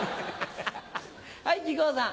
はい木久扇さん。